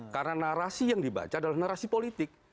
karena narasi yang dibaca adalah narasi politik